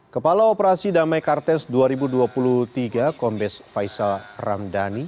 kepala operasi damai kartes dua ribu dua puluh tiga kombes faisal ramdhani